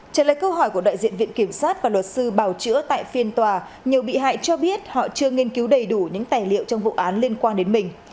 trả lời câu hỏi của đại diện viện kiểm sát và luật sư bào chữa tại phiên tòa nhiều bị hại cho biết họ chưa nghiên cứu đầy đủ những tài liệu trong vụ án liên quan đến mình